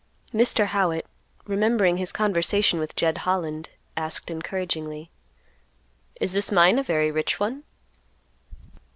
Mr. Howitt, remembering his conversation with Jed Holland, asked encouragingly, "Is this mine a very rich one?"